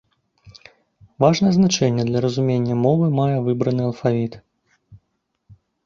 Важнае значэнне для разумення мовы мае выбраны алфавіт.